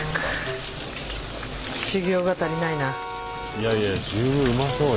いやいや十分うまそうよ。